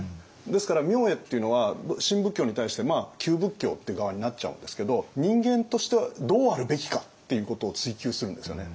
ですから明恵っていうのは新仏教に対して旧仏教という側になっちゃうんですけどっていうことを追求するんですよね。